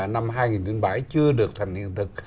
năm hai nghìn bảy chưa được thành hiện thực